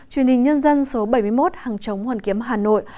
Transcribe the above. chuyên hình nhân dân số bảy mươi một hàng trống hoàn kiếm học